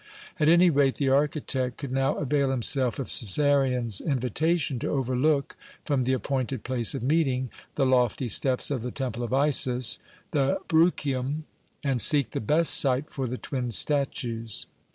At any rate, the architect could now avail himself of Cæsarion's invitation to overlook from the appointed place of meeting the lofty steps of the Temple of Isis the Bruchium, and seek the best site for the twin statues.